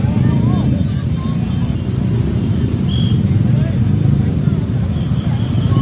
และกลายเป้าหมายและกลายเป้าหมาย